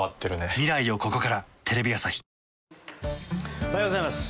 おはようございます。